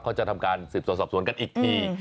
เขาจะทำการสืบสวนสอบสวนกันอีกที